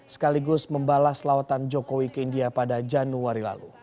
sekaligus membalas lawatan jokowi ke india pada januari lalu